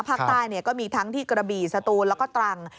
ภาคใต้ก็มีทั้งที่กระบี่สตูนแล้วก็ตรัง